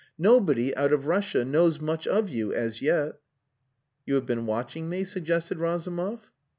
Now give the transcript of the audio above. Nobody, out of Russia, knows much of you as yet!" "You have been watching me?" suggested Razumov.